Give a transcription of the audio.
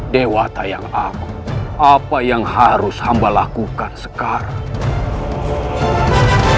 dewa tayang apa yang harus hamba lakukan sekarang